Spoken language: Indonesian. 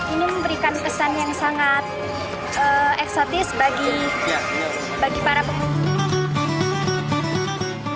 ini memberikan kesan yang sangat eksotis bagi para pengunjung